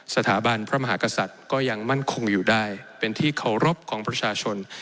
สถาบันพระมหากษัตริย์ก็ยังมั่นคงอยู่ได้เป็นที่เคารพของประชาชน